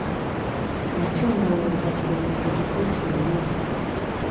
Nakyo ndowooza kirowoozo kituufu nnyo.